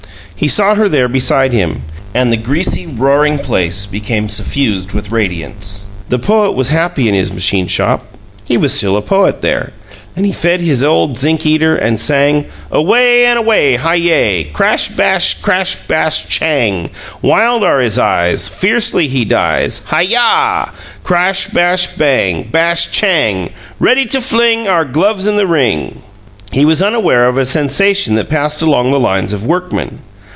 He saw her there beside him, and the greasy, roaring place became suffused with radiance. The poet was happy in his machine shop; he was still a poet there. And he fed his old zinc eater, and sang: Away and away! Hi YAY! Crash, bash, crash, bash, CHANG! Wild are his eyes, Fiercely he dies! Hi YAH! Crash, bash, bang! Bash, CHANG! Ready to fling Our gloves in the ring He was unaware of a sensation that passed along the lines of workmen.